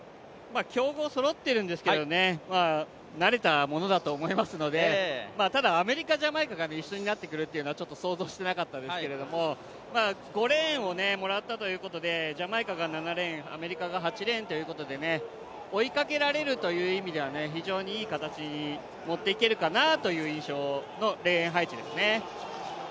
強豪そろっているんですけれども慣れたものだと思いますので、ただアメリカ、ジャマイカが一緒になるというのは想像していなかったですけど５レーンをもらったということで、ジャマイカが７レーン、アメリカが８レーンということで追いかけられるという意味では非常にいい形に持っていけるかなという印象のレーン配置ですね。